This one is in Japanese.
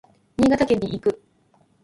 新潟県に行く。